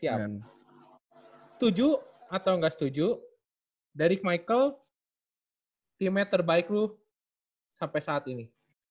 setuju atau gak setuju daryl michael timnya terbaik lu sampai saat ini